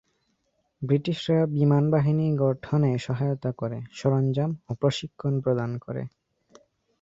ব্রিটিশরা বিমান বাহিনী গঠনে সহায়তা করে, সরঞ্জাম ও প্রশিক্ষণ প্রদান করে।